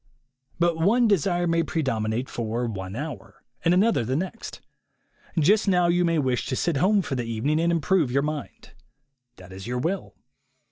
But one desire may predominate for one hour, and another the next. Just now you may wish to sit home for the evening and improve your mind. That is your will.